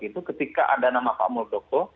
itu ketika ada nama pak muldoko